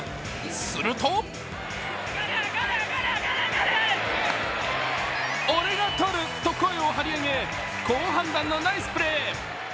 すると俺がとると声を張り上げ、好判断のナイスプレー。